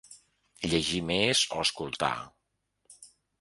Llegir més o escoltar….